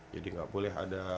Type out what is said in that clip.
jadi gak boleh ada